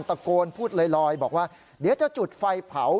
ตะโกนพูดลอยบอกว่าเดี๋ยวจะจุดไฟเผา